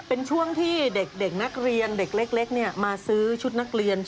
เป็นช่วงที่เด็กนักเรียนเด็กเล็กมาซื้อชุดนักเรียน